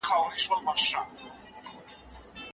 که هر اړخ غفلت وکړي، نو هغه به د تل لپاره بدمرغه وي.